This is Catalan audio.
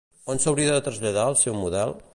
On s'hauria de traslladar el seu model?